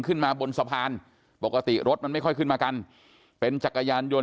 ขึ้นมาบนสะพานปกติรถมันไม่ค่อยขึ้นมากันเป็นจักรยานยนต